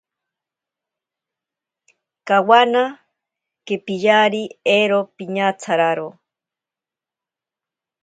Kawana kepiyari ero piñatsararo.